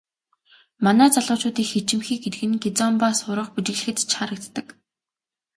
Манай залуучууд их ичимхий гэдэг нь кизомба сурах, бүжиглэхэд ч харагддаг.